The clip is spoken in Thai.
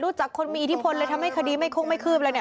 รู้จักคนมีอิทธิพลเลยทำให้คดีไม่คกไม่คืบเลยเนี่ย